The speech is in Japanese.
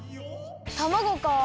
たまごかあ。